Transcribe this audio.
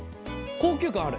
高級感ある。